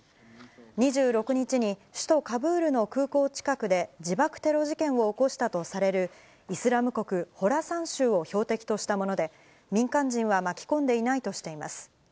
２６日に、首都カブールの空港近くで自爆テロ事件を起こしたとされる、イスラム国ホラサン州を標的としたもので、民間人は巻き込んでいないとしています。